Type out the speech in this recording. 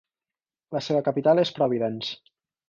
La seva capital és Providence.